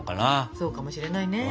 そうかもしれないね。